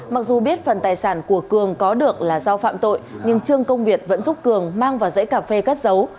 mặc dù biết phần tài sản của cường có được là do phạm tội nhưng trương công việt vẫn giúp cường mang vào dãy cà phê cất dấu